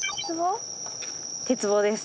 鉄棒です。